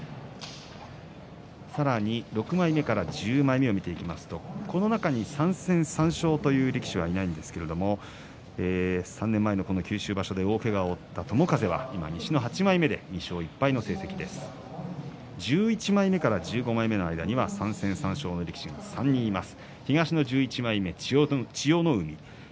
さらに６枚目から１０枚目を向いていきますとこの中に３戦３勝という力士はいないんですけれども３年前のこの九州場所で大けがを負った友風は今西の８枚目で２勝１敗の成績に１１枚目から１５枚目には３戦３勝が３人います。